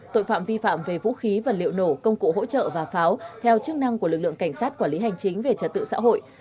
tội phạm vi phạm về vũ khí vật liệu nổ công cụ hỗ trợ và pháo theo chức năng của lực lượng cảnh sát quản lý hành chính về trật tự xã hội